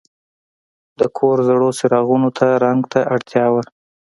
د کور زړو څراغونو ته رنګ ته اړتیا وه.